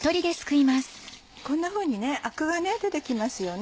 こんなふうにアクが出て来ますよね。